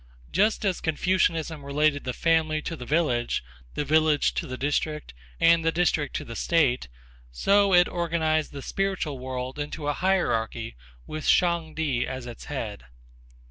Just as Confucianism related the family to the village, the village to the district, and the district to the state, so it organized the spiritual world into a hierarchy with Shang Ti as its head.